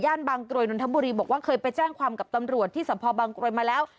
บางกรวยนนทบุรีบอกว่าเคยไปแจ้งความกับตำรวจที่สมภาพบางกรวยมาแล้ว